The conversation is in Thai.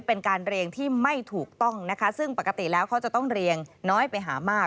เป็นการเรียงที่ไม่ถูกต้องนะคะซึ่งปกติแล้วเขาจะต้องเรียงน้อยไปหามาก